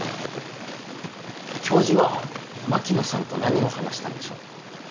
教授は槙野さんと何を話したんでしょう？